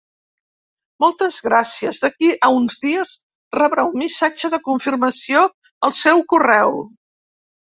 Moltes gràcies, d'aquí a uns dies rebrà un missatge de confirmació al seu correu.